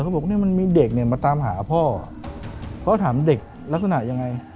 เขาบอกเนี่ยมันมีเด็กเนี่ยมาตามหาพ่อพ่อถามเด็กลักษณะยังไง